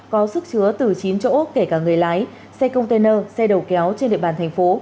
có sức chứa từ chín chỗ kể cả người lái xe container xe đầu kéo trên địa bàn thành phố